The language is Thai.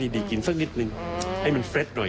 ดีกินสักนิดนึงให้มันเฟรดหน่อย